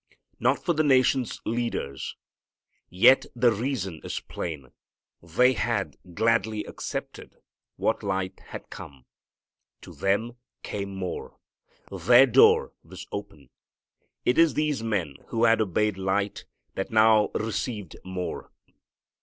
Not for the nation's leaders. Yet the reason is plain. They had gladly accepted what light had come. To them came more. Their door was open. It is these men who had obeyed light that now received more.